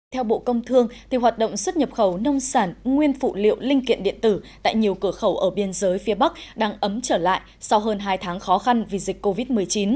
theo bộ công thương hoạt động xuất nhập khẩu nông sản nguyên phụ liệu linh kiện điện tử tại nhiều cửa khẩu ở biên giới phía bắc đang ấm trở lại sau hơn hai tháng khó khăn vì dịch covid một mươi chín